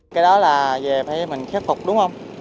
cái đó là về phải mình khép phục đúng không